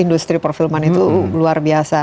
industri perfilman itu luar biasa